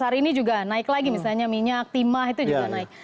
hari ini juga naik lagi misalnya minyak timah itu juga naik